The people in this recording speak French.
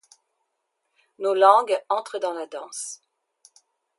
Nos langues entrent dans la danse.